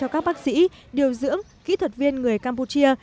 cho các bác sĩ điều dưỡng kỹ thuật viên người campuchia